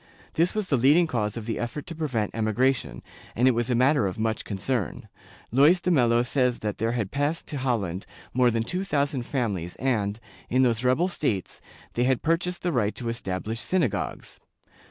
This was the leading cause of the effort to prevent emigration, and it was a matter of much concern. Luys de Melo says that there had passed to Holland more than two thousand families and, in those rebel states, they had purchased the right to establish synagogues.